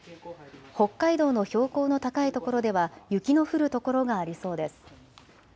北海道の標高の高い所では雪の降る所がありそうです。